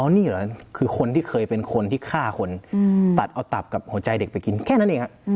นี่เหรอคือคนที่เคยเป็นคนที่ฆ่าคนตัดเอาตับกับหัวใจเด็กไปกินแค่นั้นเองฮะ